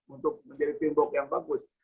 untuk menjadi teamwork yang bagus